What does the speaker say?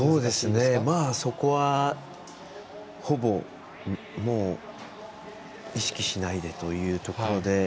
そこは、ほぼ意識しないでというところで。